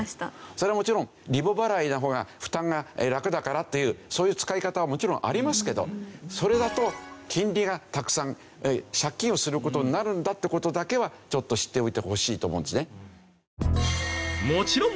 それはもちろんリボ払いの方が負担が楽だからというそういう使い方はもちろんありますけどそれだと金利がたくさん借金をする事になるんだって事だけはちょっと知っておいてほしいと思うんですね。